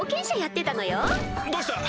どうした？